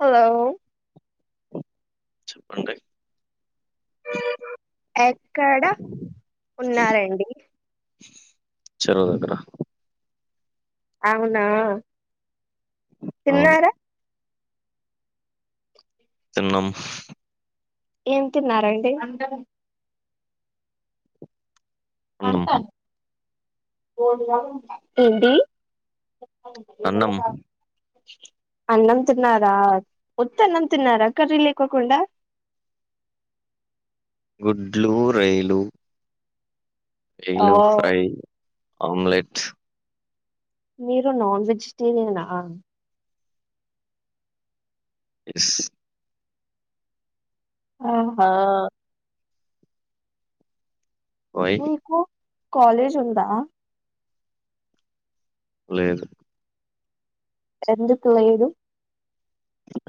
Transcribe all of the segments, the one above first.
Hello చెప్పండి ఎక్కడ ఉన్నారండి చెరువు దగ్గర అవునా అవును తిన్నార తిన్నం ఏం తిన్నారండి అన్నం ఏంటి అవును అన్నం ఏదేమైన అన్నం తిన్నారా ఉత్త అన్నం తిన్నారా కర్రీ లేకోకుండా గుడ్లుూ రోయలు ఓ ఎయ్లో ఫ్రై అమలేట్ మీరు నాన్ వెజిటేరియనా ఎస్ అవునా వై మీకు కాలేజ్ ఉందా లేదు ఎందుకు లేదు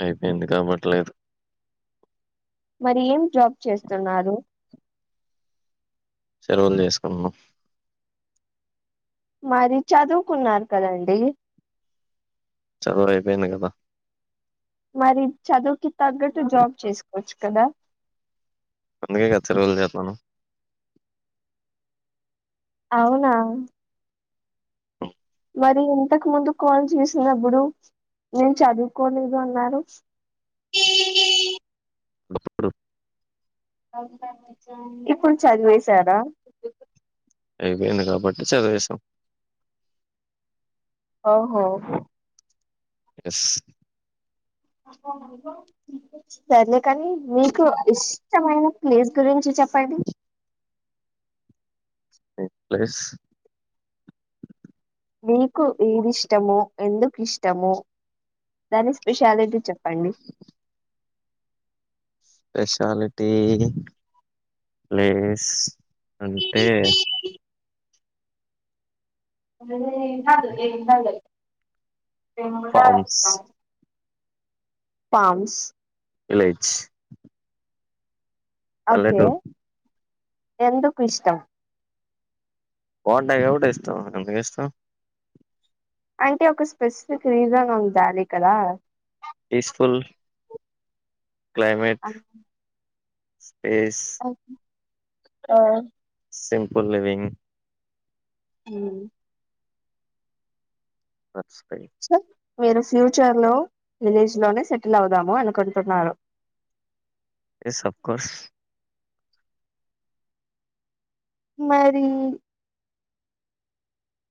అయిపోయింది కాబట్లేదు మరి ఏం జాబ్ చేస్తున్నారు సలవులు చేసుకున్నాం మరి చదువుకున్నారు కదండి చదువు అయిపోయింది గదా మరి చదువుకి తగ్గట్టు జాబ్ చేసుకోవచ్చు కదా. అందుకేగా ఎచ్చ రోజులు చేత్తన్నాను అవునా మరి ఇంతకు ముందు కాల్ చేసినప్పుడు నేను చదువుకోలేదు అన్నారు. అది ఒకప్పుడు ఇప్పుడు చదివేశారా? అయిపోయింది కాబట్టి చదివేశాం. ఓహో ఎస్ సర్లే కానీ మీకు ఇష్టమైన ప్లేస్ గురించి చెప్పండి. ఏం ప్లేస్ మీకు ఏదిష్టమో ఎందుకు ఇష్టమో దాని స్పెషాలిటీ చెప్ ప్పండి స్పెషాలిటీ ప్లేస్ అంటే [inaudible] దింపుతారు ఫార్మ్స్ టామ్స్ విలేజ్ ఓకే పల్లెటూరు ఎందుకు ఇష్టం? బావుంటాయి కాబట్టే ఇష్టం ఎందుకు ఇష్టం అంటే ఒక స్పెసిఫిక్ రీజన్ ఉండాలి కదా పీస్ఫుల్ క్లైమెట్ పీస్ ఆ simple living hmm that's right so మీరు ఫ్యూచర్ లో విలేజ్ లోనే సెటిల్ అవుదాము అనుకుంటున్నారు. ఎస్ అఫ్కోర్స్ మరి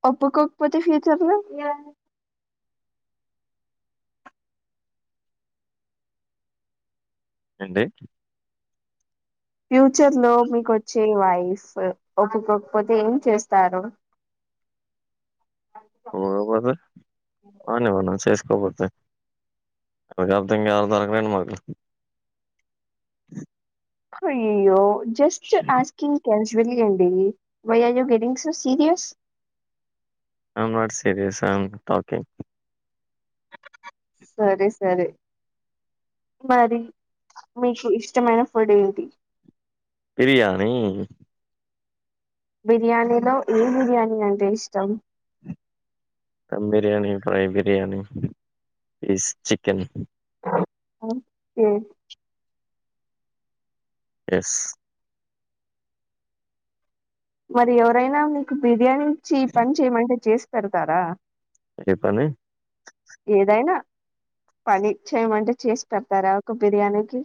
ఒప్పుకోకపోతే ఫ్యూచర్ లో ఏంటి? ఫ్యూచర్ లో మీకు వచ్చే వైఫ్ ఒప్పుకోకపోతే ఏం చేస్తారు? పోకపోతే ఎవరికి దానికి అర్థం కాదు అనంగానే [unintelligible] అ హయయ్యో జస్ట్ ఆస్కింగ్ ఫ్రెండ్ [unintelligible] అండి why are you getting so serious I'm not serious I'm talking సరే సరే మరి మీకు ఇష్టమైన ఫుడ్ ఏంటి? బిర్యానీ బిర్యానీలో ఏ బిర్యానీ అంటే ఇష్టం? Dum biryani fry biryani piece chicken okay yes మరి ఎవరైనా మీీకు బిర్యానీ ఇచ్చి పని చేయమంటే చేసి పెడతారా ఏ పని ఏదైనా పని చెయ్ అంటే చేసి పెడతారా ఒక బిర్యానీకి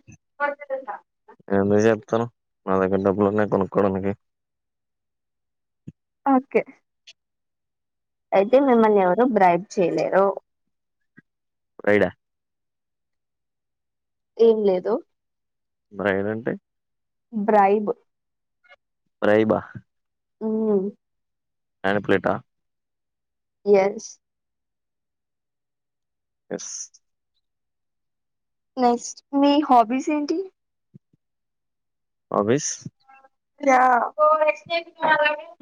ఎందుకు చెప్తానవీ మా దగ్గర డబ్బులున్నా కొనుక్కోవడానికి ఓకే అయితే మిమ్మల్ని ఎవరు బ్రైడ్ చేయలేరు బ్రైడ్ ఆ ఏం లేదు బ్రైడ్ అంటే బ్రైబ్ బ్రైబ్ ఆ ఉమ్ మణిపులేట్ ఆ ఎస్ ఎస్ నెక్స్ట్ మీ హాబీస్ ఏంటి hobbies yeah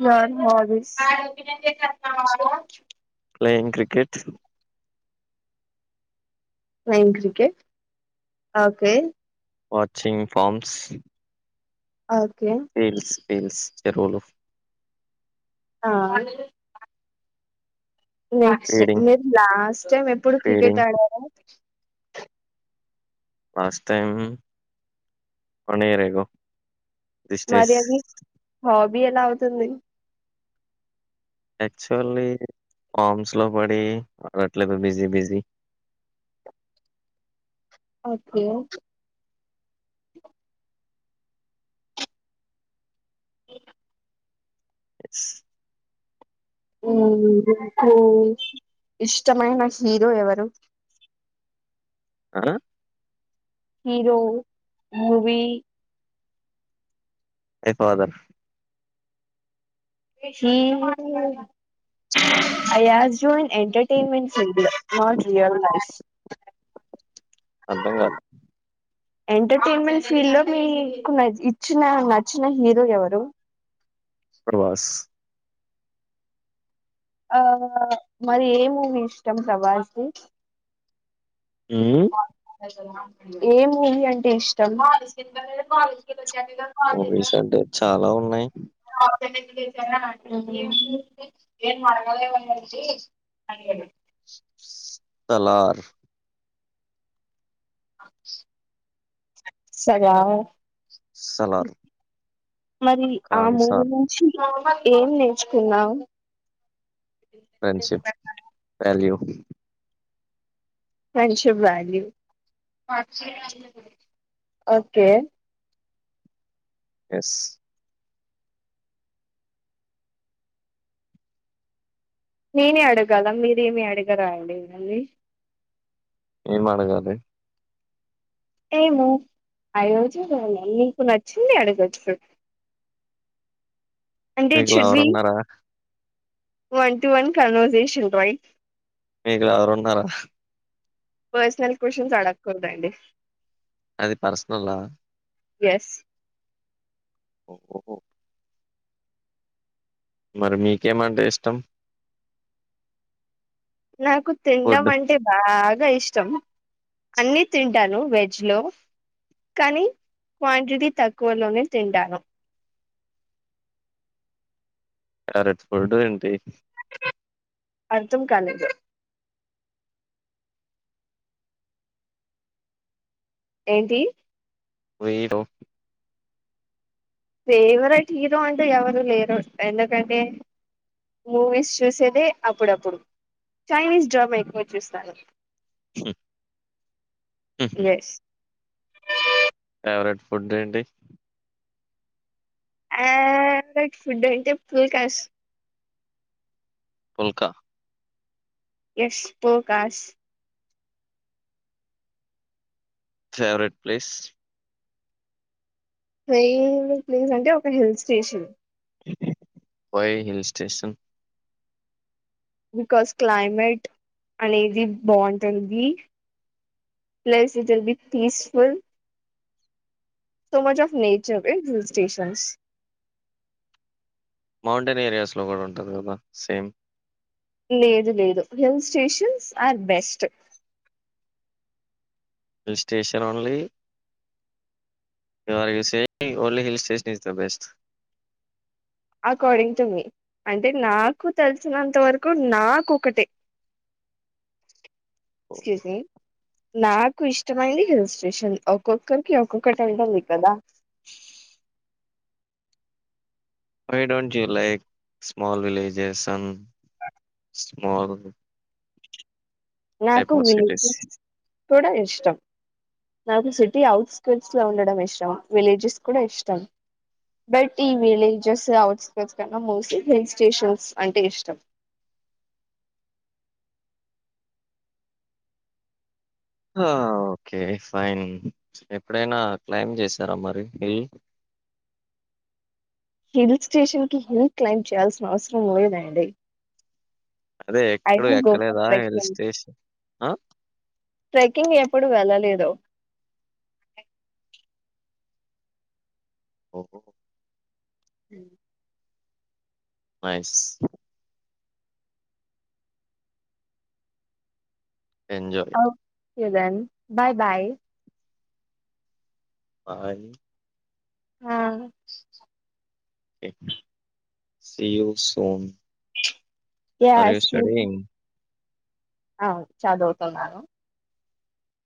your hobbies playing cricket playing cricket okay watching farms okay fields fields చెరువులు ఆ నెక్స్ట్ ఫీడింగ్ మీరు లాస్ట్ టైం ఎప్పుడు క్రికెట్ ఫీడింగ్ ఆడారు last time one year ago మరి అది హాబీ ఎలా అవుతుంది యాక్చువల్లీ ఫామ్స్ లో పడి అడట్లేదు busy busy okay A S నాకు ఇష్టమైన హీరో ఎవరు ఆ హరో మూవీ ఎఫాదర్ప్ హీరో అయాస్ ఎంటర్టైన్మెంట్ ఫీల్ లో నాట్ రియల్ లైఫ్ లో అర్థం కాలా ఎంటర్టైన్మెంట్ ఫీల్డ్ లో మీకు ఇచ్చిన నచ్చిన హీరో ఎవరు ప్రబాస్ ఆ మరి ఏ మూవీ ఇష్టం ప్రభాస్ ది హ్మ్ ఏ మూవీ అంటే ఇష్టం జన్ని లోనే ఆన్ మూవీస్ అంటే చాలా ఉన్నాయి చేసినాడు ఉ ఊ ఏమ్ అడగలేవు అనేసి అడిగాడు సాలార్ సగా సలార్ మరి ఆ ఖాన్ మూవీ సార్ నుంచి ఏం నేర్చుకున్నావు friendship value friendship value okay yes నేనే అడగాల మీరేమి అడిగరాండి మళ్ళీ ఏం అడగాలి ఏమో ఐయోజులోన నీకు నచ్చింది అడగచ్చు మీకు లవర్ ఉన్నారా one to one conversation right మీకు లవర్ ఉన్నారా పర్సనల్ క్వశ్చన్స్ అడకూడదండి అది పర్సనల్ లా ఎస్ ఓహో మరి మీకేమంటే ఇష్టం నాకు తిడం ఫుడ్ అంటే బా గ ఇష్టం అన్ని తింటాను వెజ్ లో కానీ క్వాంటిటీ తక్కువలోనే తింటాను క్యరెట్ ఫుడ్ ఏంటి అర్థం కాలేదు ఏంటి వీరో ఫేవరెట్ హీరో అంటూ ఎవరు లేరు ఎందుకంటే మూవీస్ చూసేదే అప్పుడప్పుడు చైనీస్ డ్రామా ఎక్కువ చూస్తాను ఉహు ఎస్ ఫేవరేట్ ఫుడ్ ఏంటి ఫెవరెట్ ఫుడ్ అంటే ఫుల్కాష్ phulka yes ఫుల్కష్ favourite place favourite place అంటే ఒక hill station why hill station because climate అనేది బావుంటుంది plus it will be peaceful so much of nature in hill stations mountain areas లో కూడా ఉంటుంది కదా సేమ్ లేదు లేదు hill stations are best hill station only you are you saying ఒల్ని hill station is the best according to మీ అంటే నాకు తెలిసినంత వరకు నాకు ఒకటే ఎక్స్క్యూజ్ మీ నాకు ఇష్టమైంది హిల్ స్టేషన్ ఒక్కొక్కరికి ఒక్కొక్కటి ఉంటుంది కదా why don't you like small villages sun a small నాకు టైప్ ఆఫ్ సిటీస్ విలేజెస్ కూడా ఇష్టం నాకు సిటీ అవుట్ స్కట్స్ లో ఉండడం ఇష్టం విలేజెస్ కూడా ఇష్టం బట్ ఈ విలేజెస్ అఔట్స్కట్స్ కన్నా మోస్ట్లీ హిల్ స్టేషన్స్ అంటే ఇష్టం ఆ ఓకే ఫైన్ ఎప్పుడైనా క్లైమ్బ్ చేసారా మరి హిల్ హిల్ స్టేషన్ కి హిల్ క్లైంబ్ చేయాల్సిన అవసరం లేదండి అదే ఐ ఎక్కడ డోంట్ గో ఫర్ ఎక్కలేదా హిల్ ట్రెక్కింగ్ స్టేషన్ ఆ ట్రెక్కింగ్ ఎప్పుడు వెళ్ళలేదు ఓహో మ్ nice enjoy you then bye bye bye ఆ K see you soon yeah are you సి స్టడీయింగ్ అవున్ చదువుతున్నాను